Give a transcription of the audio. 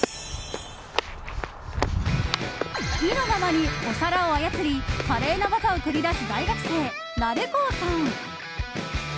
意のままにお皿を操り華麗な技を繰り出す大学生Ｎａｌｕｃｏさん。